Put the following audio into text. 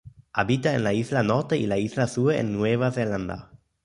Habita en la Isla Norte y la Isla Sur en Nueva Zelanda.